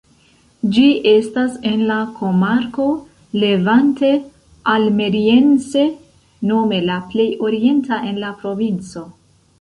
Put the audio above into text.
Ĝi estas en la komarko "Levante Almeriense" nome la plej orienta en la provinco.